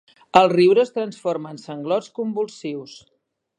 El riure es transforma en sanglots convulsius.